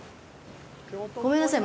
ごめんなさい。